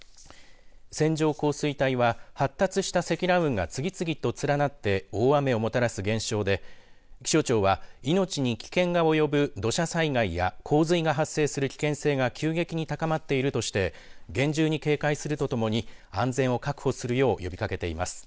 線状降水帯は発達した積乱雲が次々と連なって大雨をもたらす現象で、気象庁は命に危険が及ぶ土砂災害や洪水が発生する危険性が急激に高まっているとして厳重に警戒するとともに安全を確保するよう呼びかけています。